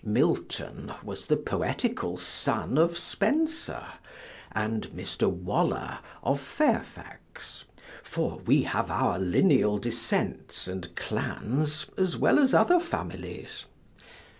Milton was the poetical son of Spenser, and Mr. Waller of Fairfax, for we have our lineal descents and clans as well as other families.